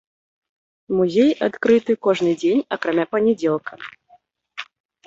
Музей адкрыты кожны дзень акрамя панядзелка.